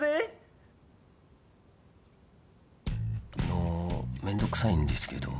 あのめんどくさいんですけど